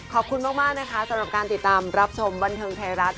ขอบคุณมากนะคะสำหรับการติดตามรับชมบันเทิงไทยรัฐ